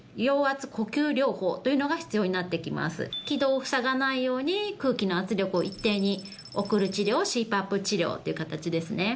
気道をふさがないように空気の圧力を一定に送る治療をＣＰＡＰ治療って形ですね。